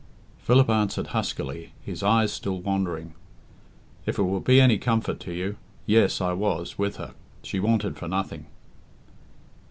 Philip answered huskily, his eyes still wandering. "If it will be any comfort to you... yes, I was with her she wanted for nothing."